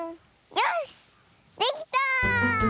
よしできた！